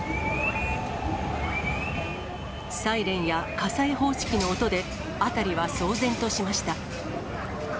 サイレンや火災報知機の音で辺りは騒然としました。